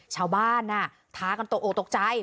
ชาวบ้านนะฮะท้ากันตกโอดตกใจ